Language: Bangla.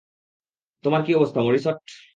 তোমার কী অবস্থা, মরিসট?